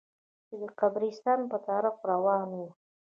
چې د قبرستان په طرف روانه وه.